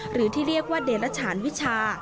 หรือที่เรียกว่าเดรฉานวิชา